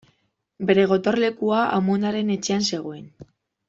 Bere gotorlekua amonaren etxean zegoen.